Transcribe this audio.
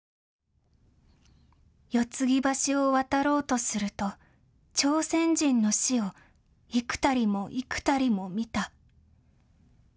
四ツ木橋を渡ろうとすると朝鮮人の死をいくたりもいくたりも見た。